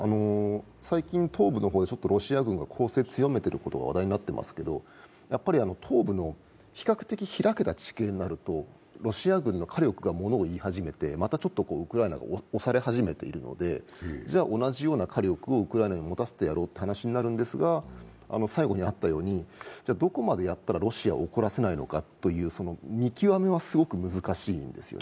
最近東部で、ロシア軍が攻勢を強めていることが話題になっていますけれども、東部の比較的開けた地形になると、ロシア軍が物を言い始めてまたちょっとウクライナが押されて始めているので同じような火力をウクライナに持たせてやろうという話になるんですが、最後にあったように、どこまでやったらロシアを怒らせないのかという見極めはすごく難しいんです。